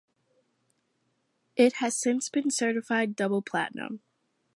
It has since been certified double platinum.